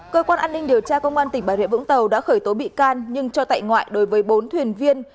cơ quan an ninh điều tra công an tỉnh bà rịa vũng tàu đã khởi tố bị can nhưng cho tại ngoại đối với bốn thuyền viên